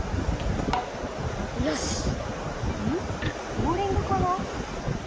ボウリングかな？